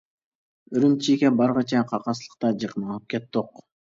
ئۈرۈمچىگە بارغىچە قاقاسلىقتا جىق مېڭىپ كەتتۇق.